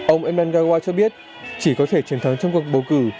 ông enan gawa cho biết chỉ có thể truyền thắng trong cuộc bầu cử